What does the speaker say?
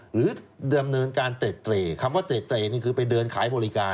หรือดำเนินการเต็ดเตร่คำว่าเตรนี่คือไปเดินขายบริการ